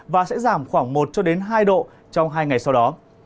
và sẽ giảm khoảng một cho đến hai độ trong hai ngày sau đó